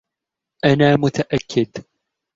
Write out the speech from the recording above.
أنا متأكد.